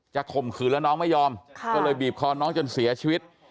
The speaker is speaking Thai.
ข่มขืนแล้วน้องไม่ยอมก็เลยบีบคอน้องจนเสียชีวิต